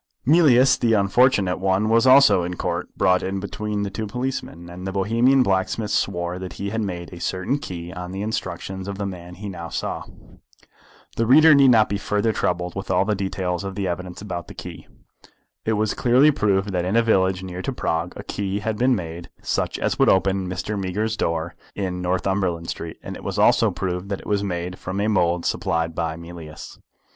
Mealyus the unfortunate one was also in Court, brought in between two policemen, and the Bohemian blacksmith swore that he had made a certain key on the instructions of the man he now saw. The reader need not be further troubled with all the details of the evidence about the key. It was clearly proved that in a village near to Prague a key had been made such as would open Mr. Meager's door in Northumberland Street, and it was also proved that it was made from a mould supplied by Mealyus.